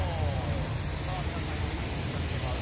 さあ皆さん余裕そうには見えます。